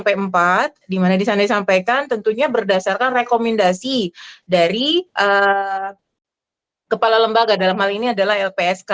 di pasal tiga puluh lima ayat satu empat di mana disandai sampaikan tentunya berdasarkan rekomendasi dari kepala lembaga dalam hal ini adalah lpsk